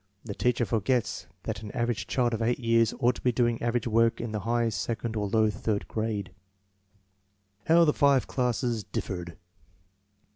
The teacher forgets that an average child of 8 years ought to be doing average work in the high second or low third grade. How the five classes differed.